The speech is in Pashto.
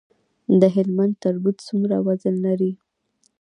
د هلمند تربوز څومره وزن لري؟